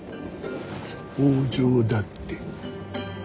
北条だって。